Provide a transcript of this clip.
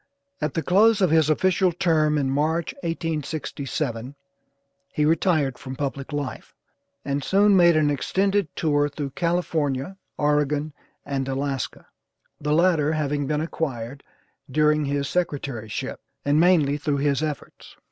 At the close of his official term in March, 1867, he retired from public life, and soon made an extended tour through California, Oregon and Alaska; the latter having been acquired during his secretaryship, and mainly through his efforts.